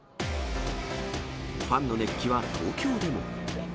ファンの熱気は東京でも。